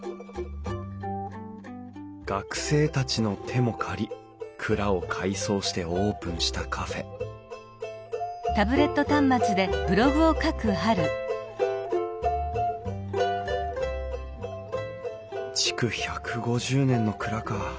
学生たちの手も借り蔵を改装してオープンしたカフェ築１５０年の蔵か。